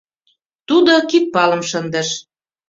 Тудо кидпалым шындыш.